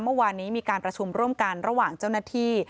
เมื่อวานนี้มีการประชุมร่วมกันระหว่างเจ้าหน้าที่